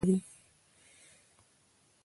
یورانیم د افغانستان په ستراتیژیک اهمیت کې رول لري.